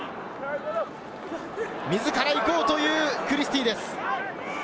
自ら行こうというクリスティです。